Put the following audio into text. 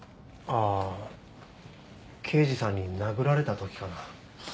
ああ刑事さんに殴られた時かな。